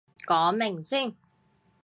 講明先